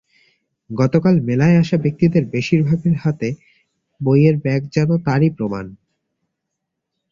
গতকাল মেলায় আসা ব্যক্তিদের বেশির ভাগের হাতে বইয়ের ব্যাগ যেন তারই প্রমাণ।